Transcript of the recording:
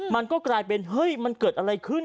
มันก็กลายเป็นเฮ้ยมันเกิดอะไรขึ้น